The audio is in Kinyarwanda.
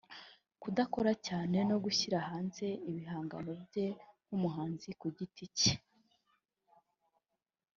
Kudakora cyane no gushyira hanze ibihangano bye nk’umuhanzi ku giti cye